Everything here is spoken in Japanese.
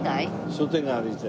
商店街歩いて。